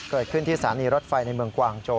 เกิดขึ้นที่สถานีรถไฟในเมืองกวางโจ